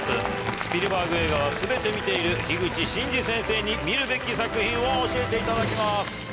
スピルバーグ映画は全て見ている口真嗣先生に見るべき作品を教えていただきます。